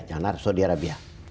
janganlah saudi arabia